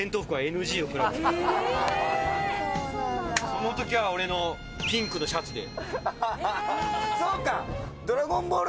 そのときは俺のピンクのシャツで。